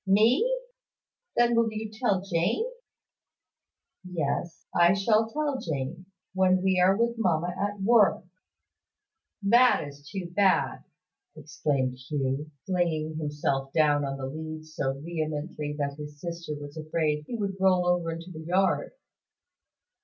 "Me! Then will you tell Jane?" "Yes. I shall tell Jane, when we are with mamma at work." "That is too bad!" exclaimed Hugh, flinging himself down on the leads so vehemently that his sister was afraid he would roll over into the yard.